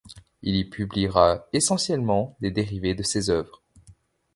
Il y publiera essentiellement des dérivés de ses œuvres.